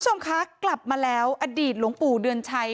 คุณผู้ชมคะกลับมาแล้วอดีตหลวงปู่เดือนชัย